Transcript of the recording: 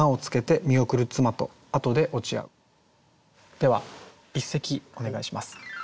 では一席お願いします。